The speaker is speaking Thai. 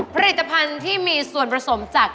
ผลิตภัณฑ์ที่มีส่วนผสมจาก